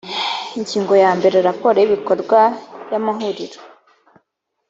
ingingo ya mbere raporo y’ibikorwa y’amahuriro